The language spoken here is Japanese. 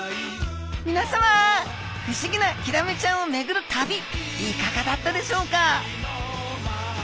みなさま不思議なヒラメちゃんをめぐる旅いかがだったでしょうか？